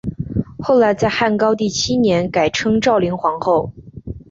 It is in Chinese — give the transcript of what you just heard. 后来在汉高帝七年改称昭灵皇后。